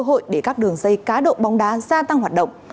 cơ hội để các đường dây cá độ bóng đá gia tăng hoạt động